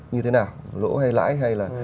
như thế nào lỗ hay lãi hay là